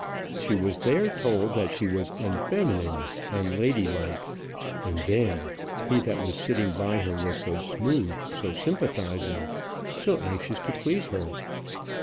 She was there told that she was unfeminine, unladylike! And then, he that was sitting by her was so smooth, so sympathizing, so anxious to please her!